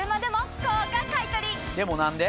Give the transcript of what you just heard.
でも何で？